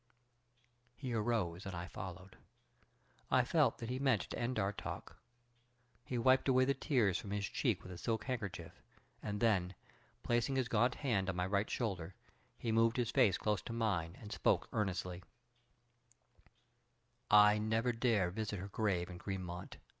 He arose and I followed. I felt that he meant to end our talk. He wiped away the tears from his cheek with a silk handkerchief, and then, placing his gaunt hand on my right shoulder, he moved his face close to mine and spoke earnestly: "I never dare visit her grave in Greenmount.